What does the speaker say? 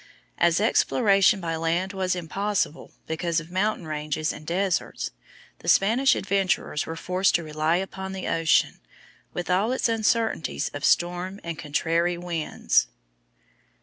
As exploration by land was impossible because of mountain ranges and deserts, the Spanish adventurers were forced to rely upon the ocean, with all its uncertainties of storm and contrary winds.